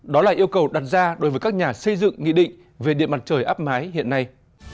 đó là yêu cầu đặt ra đối với các nhà xây dựng nghị định về điện mặt trời áp mái hiện nay